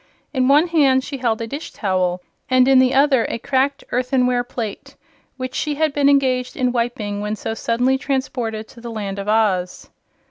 In one hand she held a dish towel and in the other a cracked earthenware plate, which she had been engaged in wiping when so suddenly transported to the Land of Oz.